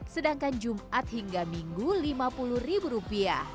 sedangkan jumat hingga minggu rp lima puluh